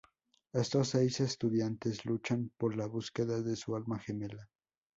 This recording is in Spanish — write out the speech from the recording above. Estos seis estudiantes luchan por la búsqueda de su alma gemela.